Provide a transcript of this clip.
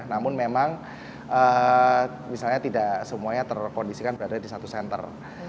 namun memang misalnya tidak semuanya terkondisikan berada di satu center